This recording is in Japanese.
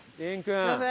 すみません。